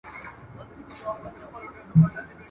o خوار کور له دېواله معلومېږي.